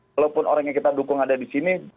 walaupun orang yang kita dukung ada di sini